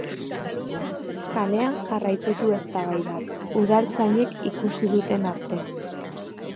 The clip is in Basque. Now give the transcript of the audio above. Kalean jarraitu du eztabaidak, udaltzainek ikusi duten arte.